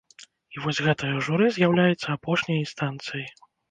І вось гэтае журы з'яўляецца апошняй інстанцыяй.